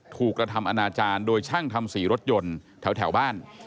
กระทำอนาจารย์โดยช่างทำสีรถยนต์แถวบ้าน